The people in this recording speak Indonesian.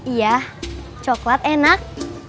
iya coklat enak